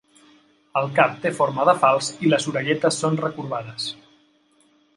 El cap té forma de falç i les orelletes són recorbades.